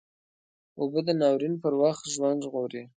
اوبه د ناورین پر وخت ژوند ژغوري